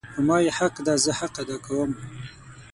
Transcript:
په ما یی حق ده زه حق ادا کوم